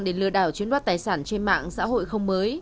để lừa đảo chiếm đoạt tài sản trên mạng xã hội không mới